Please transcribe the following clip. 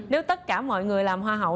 nếu tất cả mọi người làm hoa hậu